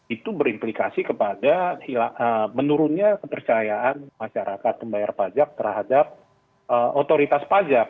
itu berimplikasi kepada menurunnya kepercayaan masyarakat pembayar pajak terhadap otoritas pajak